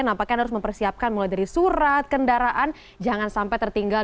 nampaknya harus mempersiapkan mulai dari surat kendaraan jangan sampai tertinggal